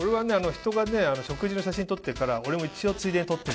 ひとが食事の写真撮ってたら俺も一応ついでに撮ってる。